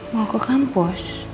mau ke kampus